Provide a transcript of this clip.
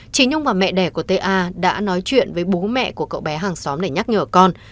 chị nhung và mẹ đẻ của ta đã nói chuyện với bố mẹ của cậu bé hàng xóm để nhắc nhở con